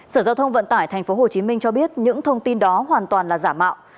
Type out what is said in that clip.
sở giao thông vận tải tp hcm cho biết những thông tin đó hoàn toàn là giả mạo